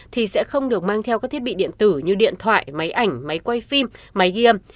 thì sẽ không được mang theo các thiết bị điện tử như điện thoại máy ảnh máy quay phim máy ghi âm